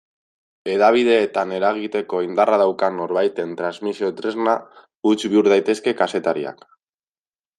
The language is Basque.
Hedabideetan eragiteko indarra daukan norbaiten transmisio-tresna huts bihur daitezke kazetariak.